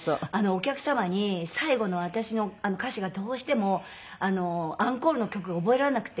お客様に最後の私の歌詞がどうしてもアンコールの曲が覚えられなくて。